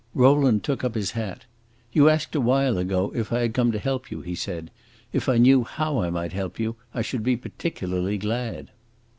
Rowland took up his hat. "You asked a while ago if I had come to help you," he said. "If I knew how I might help you, I should be particularly glad."